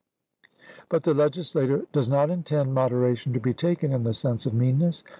But the legislator does not intend moderation to be taken in the sense of meanness.